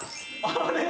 あれ？